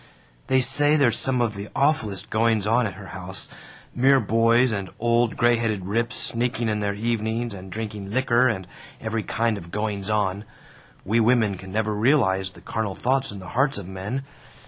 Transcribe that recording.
"They say there's some of the awfullest goings on at her house mere boys and old gray headed rips sneaking in there evenings and drinking licker and every kind of goings on. We women can't never realize the carnal thoughts in the hearts of men.